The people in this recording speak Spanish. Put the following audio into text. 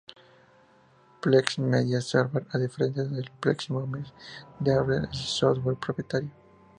Plex Media Server, a diferencia de Plex Home Theater, es Software propietario.